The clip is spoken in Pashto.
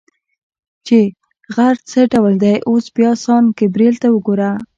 چې غر څه ډول دی، اوس بیا سان ګبرېل ته وګوره.